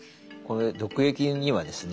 毒液にはですね